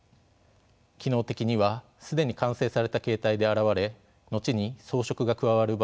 機能的には既に完成された形態で現れ後に装飾が加わる場合がほとんどです。